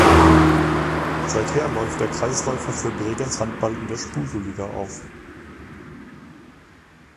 Seither läuft der Kreisläufer für Bregenz Handball in der Spusu Liga auf.